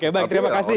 oke baik terima kasih